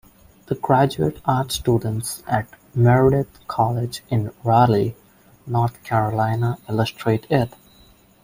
The graduate art students at Meredith College in Raleigh, North Carolina illustrate it.